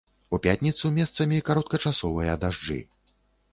У пятніцу месцамі кароткачасовыя дажджы.